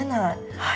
はい。